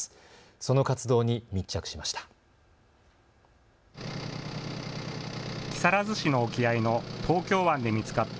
その活動に密着しました。